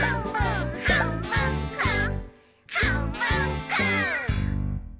「はんぶんこ！」